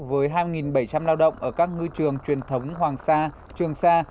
với hai bảy trăm linh lao động ở các ngư trường truyền thống hoàng sa trường sa